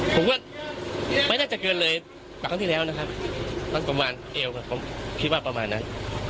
ผมก็ไม่น่าจะเกินเลยกว่าครั้งที่แล้วนะครับตั้งประมาณเอวครับผมคิดว่าประมาณนั้น